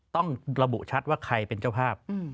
ต้องระบุชัดว่าใครเป็นเจ้าภาพ